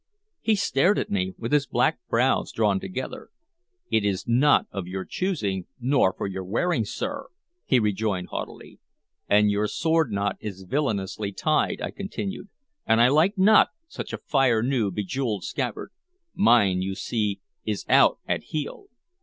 He stared at me, with his black brows drawn together. "It is not of your choosing nor for your wearing, sir," he rejoined haughtily. "And your sword knot is villainously tied," I continued. "And I like not such a fire new, bejeweled scabbard. Mine, you see, is out at heel."